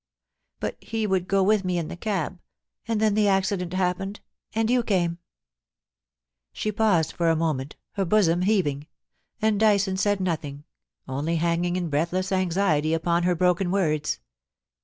... But he would go with me in the cab — and then the accident happened, and you came ....' She paused for a moment, her bosom heaving; and Dyson said nothing, only hanging in breathless anxiety upon her broken words.